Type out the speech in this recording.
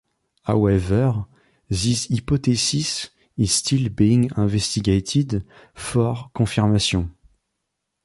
However, this hypothesis is still being investigated for confirmation.